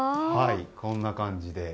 こんな感じで。